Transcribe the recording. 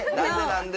何で？